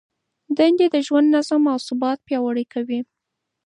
دندې د ژوند نظم او ثبات پیاوړی کوي.